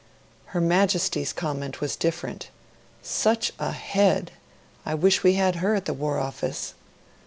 Her Majesty's comment was different 'Such a HEAD! I wish we had her at the War Office.'